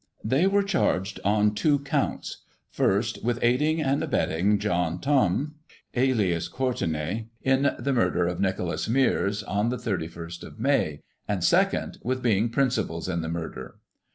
They were charged on two counts: first, with aiding and abetting John Thom, alias Courtenay, in the murder of Nicholas Mears, on the 31st of May, and second, with being principals in the murder.